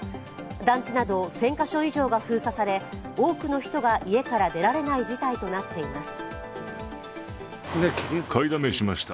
団地など１０００か所以上が封鎖され多くの人が家から出られない事態となっています。